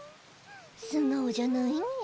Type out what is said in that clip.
素直じゃないニャ。